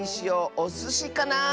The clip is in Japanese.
おすしか！